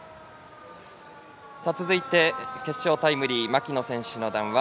続いて、決勝タイムリー牧野選手の談話